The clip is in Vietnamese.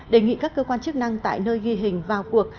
đề nghị các cơ quan chức năng tại nơi ghi hình vào cuộc